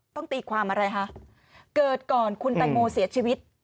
ตีความอะไรคะเกิดก่อนคุณแตงโมเสียชีวิต